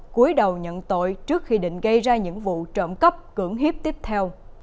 cuối đầu nhận tội trước khi định gây ra những vụ trộm cắp cưỡng hiếp tiếp theo